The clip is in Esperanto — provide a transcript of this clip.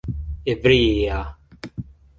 ebria